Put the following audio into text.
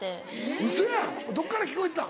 ウソやんどっから聞こえてたん？